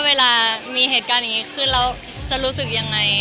เวลามีเหตุการณ์อยู่คือเราจะรู้สึกอย่างไร